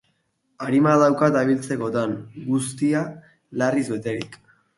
Arima daukat abailtzekotan, guztia larriz beterik.